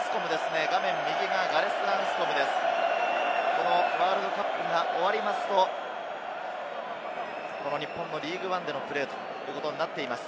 ガレス・アンスコムですね、ワールドカップが終わると日本のリーグワンでのプレーということになっています。